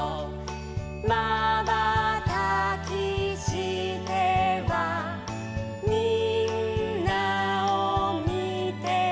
「まばたきしてはみんなをみてる」